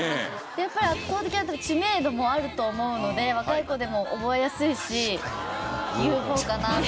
やっぱり圧倒的な知名度もあると思うので若い子でも覚えやすいし『ＵＦＯ』かなと。